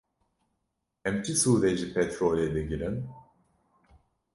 Em çi sûdê ji petrolê digirin?